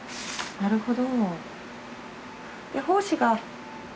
なるほど。